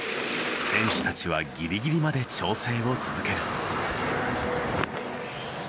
選手たちはギリギリまで調整を続ける。